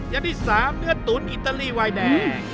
ยังที่๓เนื้อตุ๋นอิตาลีไวน์แดง